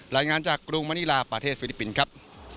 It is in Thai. รายงานจากกรุงมณีลาประเทศฟิลิปปินส์ครับ